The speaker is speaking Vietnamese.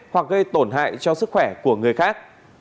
hoặc gây tổn hại cho sức khỏe của người khác